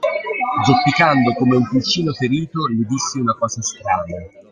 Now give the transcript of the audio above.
Zoppicando come un pulcino ferito, le disse una cosa strana.